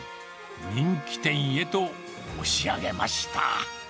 人気店へと押し上げました。